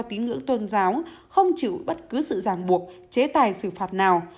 tín ngưỡng tôn giáo không chịu bất cứ sự giảng buộc chế tài sự phạt nào